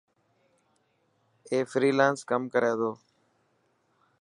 اي فرالانس ڪم ڪري تو.